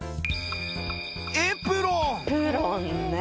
エプロンね！